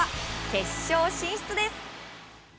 決勝進出です。